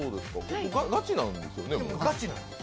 ガチなんですよ。